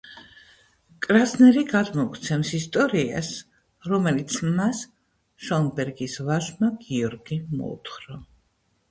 კრაზნერი გადმოგვცემს ისტორიას, რომელიც მას შონბერგის ვაჟმა, გიორგიმ მოუთხო.